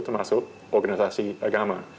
termasuk organisasi agama